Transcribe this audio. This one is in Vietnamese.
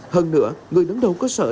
hơn nữa người đứng đầu cơ sở